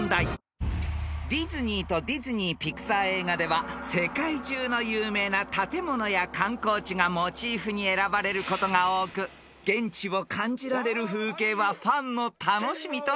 ［ディズニーとディズニー・ピクサー映画では世界中の有名な建物や観光地がモチーフに選ばれることが多く現地を感じられる風景はファンの楽しみとなっています］